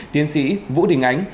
tiến sĩ vũ đình ánh